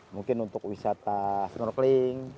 mungkin untuk wisata snorkeling